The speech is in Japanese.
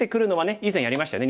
以前やりましたね。